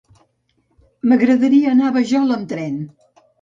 M'agradaria anar a la Vajol amb tren.